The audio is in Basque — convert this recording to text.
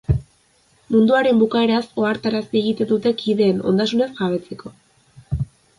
Munduaren bukaeraz ohartarazi egiten dute kideen ondasunez jabetzeko.